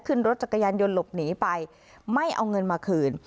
ขึ้นรถจักรยานยนต์หลบหนีไปไม่เอาเงินมาคืน